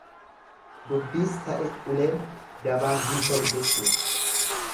Dubbiis ta'e uleen dabaan hin tolu jechuudha.